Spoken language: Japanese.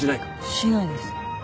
しないです。